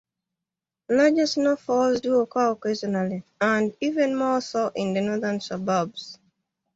Larger snowfalls do occur occasionally, and even more so in the northern suburbs.